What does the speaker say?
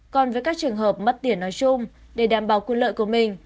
còn với các trường hợp mất tiền nói chung để đảm bảo quyền lợi của mình